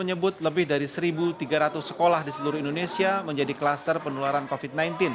menyebut lebih dari satu tiga ratus sekolah di seluruh indonesia menjadi kluster penularan covid sembilan belas